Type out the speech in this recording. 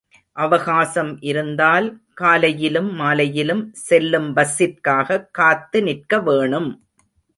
அவகாசம் இருந்தால் காலையிலும் மாலையிலும் செல்லும் பஸ்ஸிற்காகக் காத்து நிற்க வேணும்.